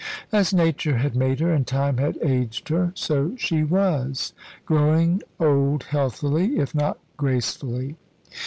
As Nature had made her, and Time had aged her, so she was, growing old healthily, if not gracefully.